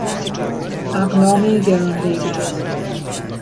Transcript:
اقلام گرانقیمت